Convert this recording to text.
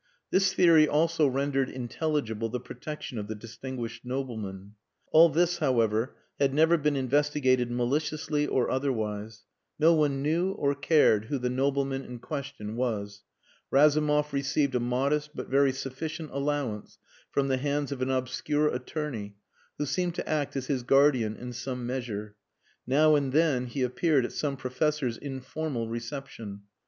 This theory also rendered intelligible the protection of the distinguished nobleman. All this, however, had never been investigated maliciously or otherwise. No one knew or cared who the nobleman in question was. Razumov received a modest but very sufficient allowance from the hands of an obscure attorney, who seemed to act as his guardian in some measure. Now and then he appeared at some professor's informal reception.